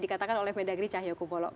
dikatakan oleh mendagri cahyokupolo